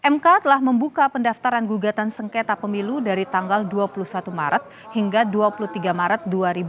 mk telah membuka pendaftaran gugatan sengketa pemilu dari tanggal dua puluh satu maret hingga dua puluh tiga maret dua ribu dua puluh